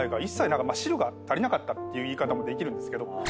思慮が足りなかったっていう言い方もできるんですけど。